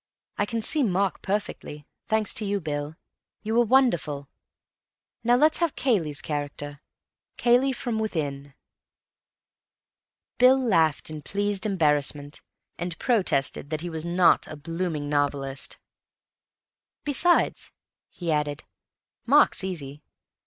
I can see Mark perfectly, thanks to you, Bill. You were wonderful. Now let's have Cayley's character. Cayley from within." Bill laughed in pleased embarrassment, and protested that he was not a blooming novelist. "Besides," he added, "Mark's easy.